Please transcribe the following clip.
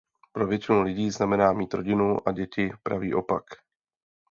Pro většinu lidí znamená mít rodinu a děti pravý opak.